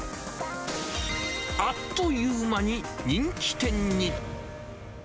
あっという間に人気店に。